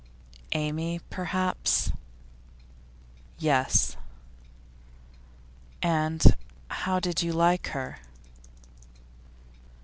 'Amy, perhaps?' 'Yes.' 'And how did you like her?